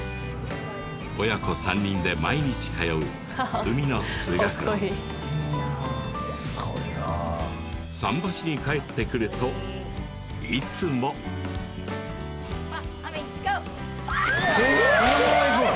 親子３人で毎日通う海の通学路すごいな桟橋に帰ってくるといつもゴー！